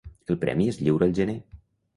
El premi es lliura al gener.